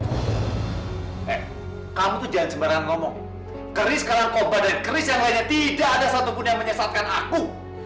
eh kamu tuh jangan sembarangan ngomong keris karena koba dan keris yang lainnya tidak ada satupun yang menyesatkan aku